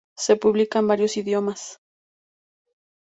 Se publica en varios idiomas.